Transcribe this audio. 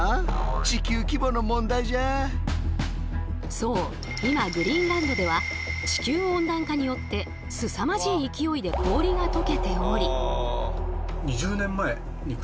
そう今グリーンランドでは地球温暖化によってすさまじい勢いで氷が溶けており。